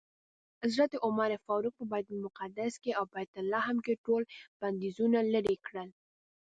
حضرت عمر فاروق په بیت المقدس او بیت لحم کې ټول بندیزونه لرې کړل.